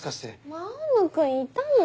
青野君いたの？